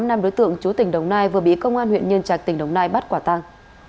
năm đối tượng chú tỉnh đồng nai vừa bị công an huyện nhân trạch tỉnh đồng nai bắt quả tăng